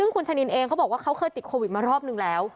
คุณชะนินเองเขาบอกว่าเขาเคยติดโควิดมารอบนึงแล้ว